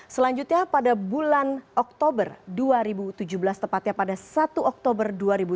selanjutnya pada bulan oktober dua ribu tujuh belas tepatnya pada satu oktober dua ribu tujuh belas